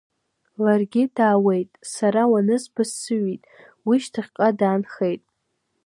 Ларгьы даауеит, сара уанызба сыҩит, уи шьҭахьҟа даанхеит…